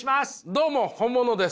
どうも本物です！